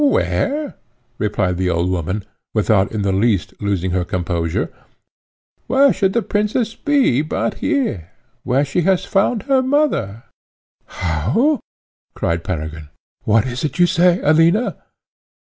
"Where," replied the old woman, without in the least losing her composure, "where should the princess be but here, where she has found her mother?" "How!" cried Peregrine "what is it you say, Alina?"